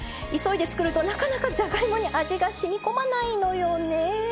急いで作るとなかなかじゃがいもに味がしみこまないのよね。